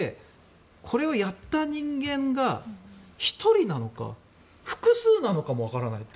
これをやった人間が１人なのか複数なのかもわからないと。